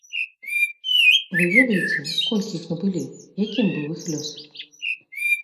Вы ведаеце, колькі іх набылі, якім быў іх лёс?